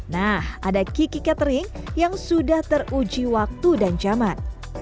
nah ada kiki catering yang sudah teruji waktu dan jaman